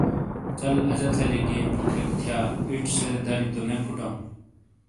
چل اجہ تھلی جہ گیئے فوٹیک تھیا ایچ سے دری تو نے پھوٹاؤں۔